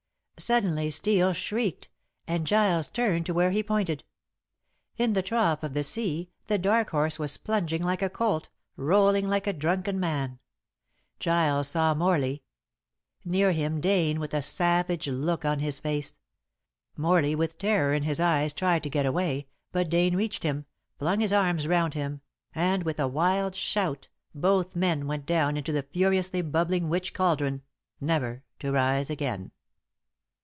Suddenly Steel shrieked, and Giles turned to where he pointed. In the trough of the sea The Dark Horse was plunging like a colt, rolling like a drunken man. Giles saw Morley; near him Dane with a savage look on his face. Morley, with terror in his eyes, tried to get away, but Dane reached him, flung his arms round him, and with a wild shout both men went down into the furiously bubbling witch caldron, never to rise again.